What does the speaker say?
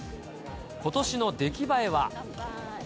ことしの出来栄えは。